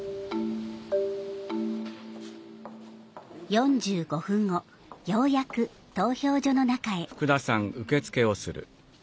４５分後ようやく投票所の中へ。